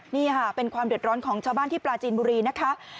นี่ค่ะเป็นความเดือดร้อนของชาวบ้านที่ปลาจีนบุรีนะคะ